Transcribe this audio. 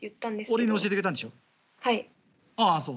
俺に教えてくれたんでしょう？